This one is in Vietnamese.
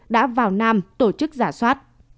đã vào nam tổ chức giả soát